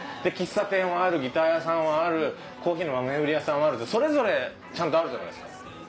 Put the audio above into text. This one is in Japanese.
喫茶店はあるギター屋さんはあるコーヒーの豆売り屋さんはあるってそれぞれちゃんとあるじゃないですか。